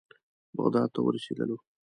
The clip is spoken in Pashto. بغداد ته ورسېدلو.